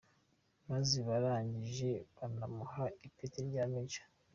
Maze barangije banamuha ipeti rya Major.